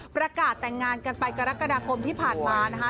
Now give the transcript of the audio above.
ประกาศแต่งงานกันไปกรกฎาคมที่ผ่านมานะคะ